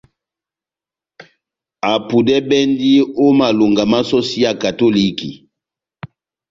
Apudɛbɛndi ó malonga má sɔsi ya katoliki.